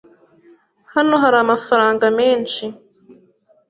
Hano hari amafaranga menshi.